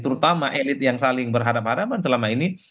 terutama elit yang saling berhadapan hadapan selama ini